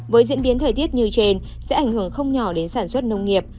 với diễn biến thời tiết như trên sẽ ảnh hưởng không nhỏ đến sản xuất nông nghiệp